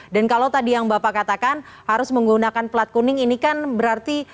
dan kalau tadi yang bapak katakan harus menggunakan pelat kuning ini kan berarti